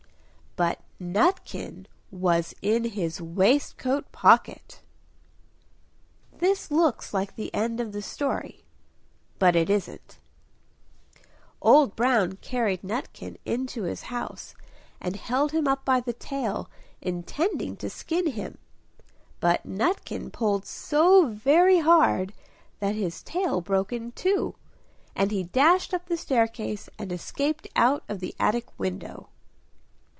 But Nutkin was in his waistcoat pocket! This looks like the end of the story; but it isn't. Old Brown carried Nutkin into his house, and held him up by the tail, intending to skin him; but Nutkin pulled so very hard that his tail broke in two, and he dashed up the staircase and escaped out of the attic window.